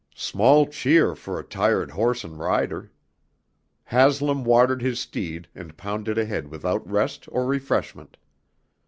Small cheer for a tired horse and rider! Haslam watered his steed and pounded ahead without rest or refreshment.